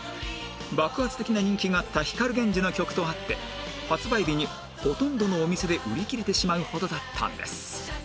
爆発的な人気があった光 ＧＥＮＪＩ の曲とあって発売日にほとんどのお店で売り切れてしまうほどだったんです